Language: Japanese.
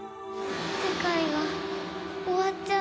世界が終わっちゃう。